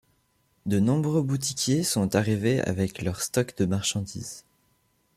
De nombreux boutiquiers sont arrivés avec leurs stocks de marchandise.